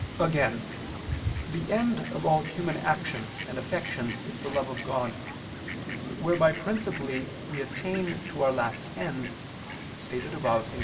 Again, the end of all human actions and affections is the love of God, whereby principally we attain to our last end, as stated above (Q.